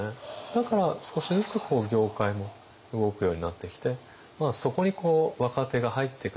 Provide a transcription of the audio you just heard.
だから少しずつ業界も動くようになってきてそこに若手が入ってくると。